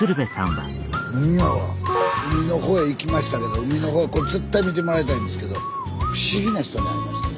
海の方へ行きましたけど海の方は絶対見てもらいたいんですけど不思議な人に会いました。